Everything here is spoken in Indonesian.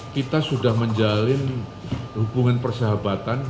kita sudah menjalin hubungan persahabatan